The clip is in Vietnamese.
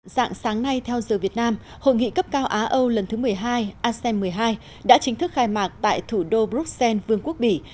dạng sáng nay theo giờ việt nam hội nghị cấp cao á âu lần thứ một mươi hai asem một mươi hai đã chính thức khai mạc tại thủ đô bruxelles vương quốc bỉ